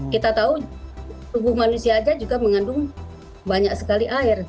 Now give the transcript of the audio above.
kita tahu tubuh manusia aja juga mengandung banyak sekali air